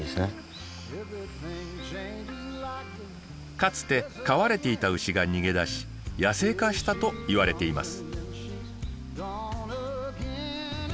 かつて飼われていた牛が逃げ出し野生化したといわれています。